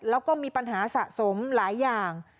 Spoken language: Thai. แล้วก็มีปัญหาสะสมหลายอย่าง